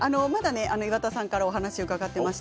岩田さんからはまだお話を伺っています。